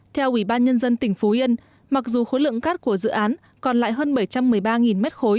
theo ủy ban nhân dân tỉnh phú yên mặc dù khối lượng cát của dự án còn lại hơn bảy trăm một mươi ba m ba